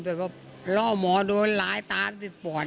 แบบว่าล่อหมอโดนร้ายตามติดปอด